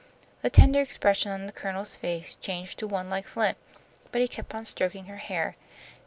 The tender expression on the Colonel's face changed to one like flint, but he kept on stroking her hair.